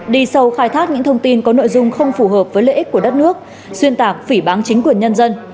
đi sâu khai thác những thông tin có nội dung không phù hợp với lợi ích của đất nước xuyên tạc phỉ bán chính quyền nhân dân